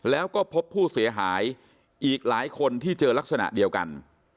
แล้วก็พบผู้เสียหายอีกหลายคนที่เจอลักษณะเดียวกัน